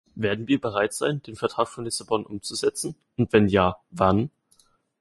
Werden wir bereit sein, den Vertrag von Lissabon umzusetzen, und wenn ja, wann?